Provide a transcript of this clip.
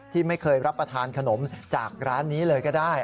ที่ไม่เคยรับประทานขนมจากร้านนี้เลยก็ได้